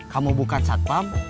kamu bukan satpam